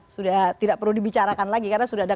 sudah tidak perlu dibicarakan lagi karena sudah ada